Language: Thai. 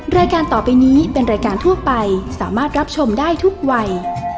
รายการต่อไปนี้เป็นรายการทั่วไปสามารถรับชมได้ทุกวัย